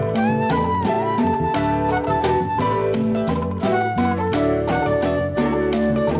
neng itu ga ada